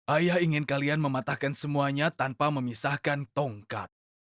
ayah ingin kalian mematahkan semuanya tanpa memisahkan tongkat